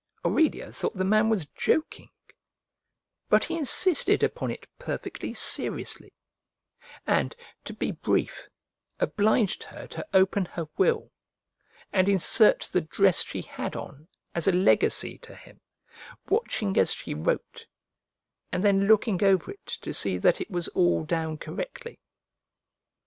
Aurelia thought the man was joking: but he insisted upon it perfectly seriously, and, to be brief, obliged her to open her will, and insert the dress she had on as a legacy to him, watching as she wrote, and then looking over it to see that it was all down correctly.